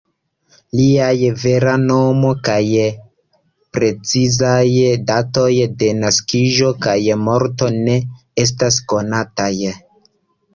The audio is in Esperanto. Liaj vera nomo kaj precizaj datoj de naskiĝo kaj morto ne estas konataj.